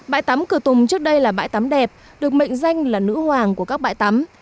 bãi tắm cửa tùng trước đây là bãi tắm đẹp được mệnh danh là nữ hoàng của các bãi tắm